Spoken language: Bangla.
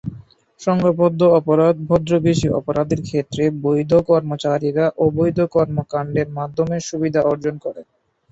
সংঘবদ্ধ অপরাধ ভদ্রবেশী অপরাধের ক্ষেত্রে বৈধ কর্মচারীরা অবৈধ কর্মকান্ডের মাধ্যমে সুবিধা অর্জন করে।